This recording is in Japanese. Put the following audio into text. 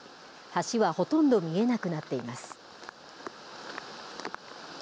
橋はほとんど見えなくなっています。